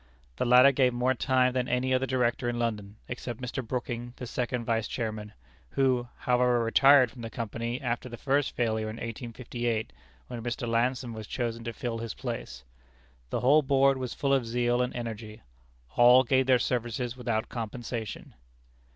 The latter gave more time than any other Director in London, except Mr. Brooking, the second Vice Chairman, who, however, retired from the Company after the first failure in 1858, when Mr. Lampson was chosen to fill his place. The whole Board was full of zeal and energy. All gave their services without compensation.